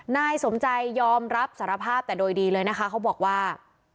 นายสมใจยอมรับสารภาพแต่โดยดีเลยนะคะเขาบอกว่า